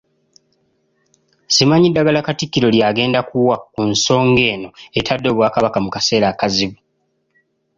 Simanyi ddagala Katikkiro ly'agenda kuwa ku nsonga eno etadde Obwakabaka mu kaseera akazibu.